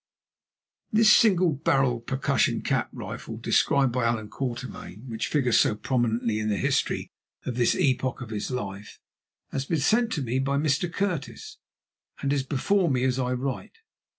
This single barrelled percussion cap rifle described by Allan Quatermain, which figures so prominently in the history of this epoch of his life, has been sent to me by Mr. Curtis, and is before me as I write.